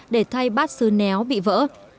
để thay bát sứ néo bị vỡ